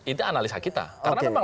itu analisa kita karena memang